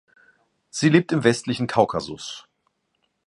Sie lebt im westlichen Kaukasus.